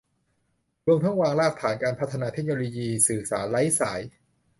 รวมทั้งวางรากฐานการพัฒนาเทคโนโลยีสื่อสารไร้สาย